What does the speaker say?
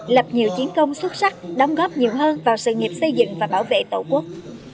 lập nhiều chiến công xuất sắc đóng góp nhiều hơn vào sự nghiệp xây dựng và bảo vệ tổ quốc